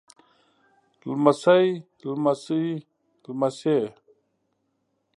لمسی لمسي لمسې